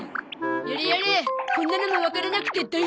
やれやれこんなのもわからなくて大丈夫かな？